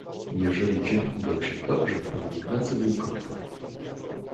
"Jeżeli dzień udał się dobrze, pan Ignacy był kontent."